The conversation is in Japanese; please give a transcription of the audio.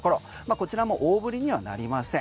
こちらも大降りにはなりません。